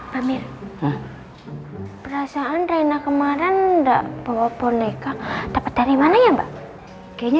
pamer perasaan reina kemarin ndak bawa boneka dapat dari mana ya mbak kayaknya